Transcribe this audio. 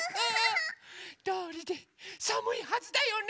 どうりでさむいはずだよね。